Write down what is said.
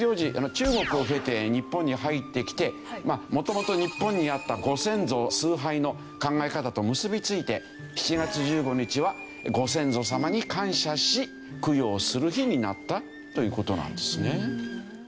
中国を経て日本に入ってきて元々日本にあったご先祖崇拝の考え方と結びついて７月１５日はご先祖様に感謝し供養する日になったという事なんですね。